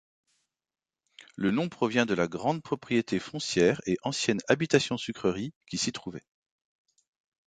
Le nom provient de la grande propriété foncière et ancienne habitation-sucrerie qui s'y trouvait.